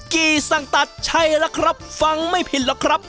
ี่สั่งตัดใช่ล่ะครับฟังไม่ผิดหรอกครับ